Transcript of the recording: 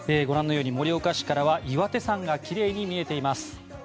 ご覧のように盛岡市からは岩手山が奇麗に見えています。